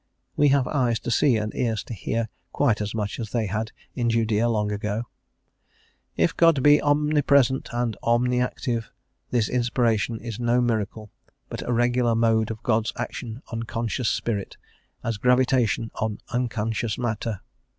We have eyes to see and ears to hear quite as much as they had in Judea long ago. "If God be omnipresent and omniactive, this inspiration is no miracle, but a regular mode of God's action on conscious Spirit, as gravitation on unconscious matter.